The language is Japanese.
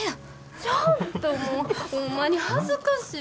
ちょっともうホンマに恥ずかしい。